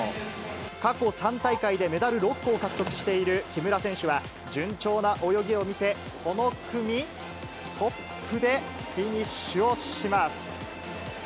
過去３大会でメダル６個を獲得している木村選手は、順調な泳ぎを見せ、この組トップでフィニッシュをします。